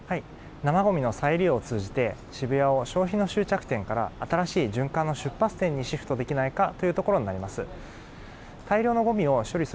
生ごみの再利用を通じて、渋谷を消費の終着点から、新しい循環の出発点にシフトできないかというところになります。